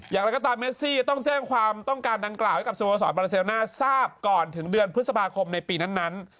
อย่างไรก็ตามเมซี่ต้องแจ้งความต้องการดังกล่าวให้กับสโมสรบาเซลน่าทราบก่อนถึงเดือนพฤษภาคมในปีนั้น